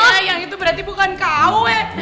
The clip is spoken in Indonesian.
ya yang itu berarti bukan kau ya